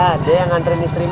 mas dia yang ngantri istri mas